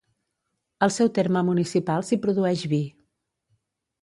Al seu terme municipal s'hi produeix vi.